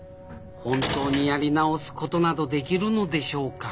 本当にやり直すことなどできるのでしょうか？